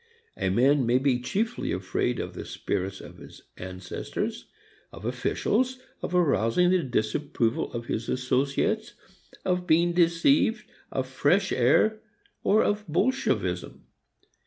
A man may be chiefly afraid of the spirits of his ancestors, of officials, of arousing the disapproval of his associates, of being deceived, of fresh air, or of Bolshevism.